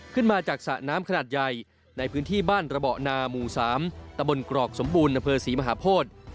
ขึ้นมาจากสระน้ำขนาดใหญ่ในพื้นที่บ้านระเบาะนาหมู่๓ตะบนกรอกสมบูรณ์อำเภอศรีมหาโพธิ